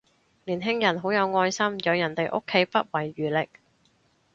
年輕人好有愛心，養人哋屋企不遺餘力